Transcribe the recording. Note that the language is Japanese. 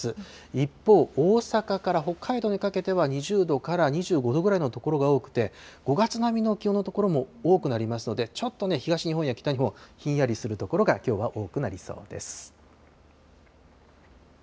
一方、大阪から北海道にかけては、２０度から２５度くらいの所が多くて、５月並みの気温の所も多くなりますので、ちょっとね、東日本や北日本、ひんやりする所がきょうは多くなりそうです。